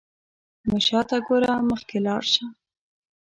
مه شاته ګوره، مخکې لاړ شه.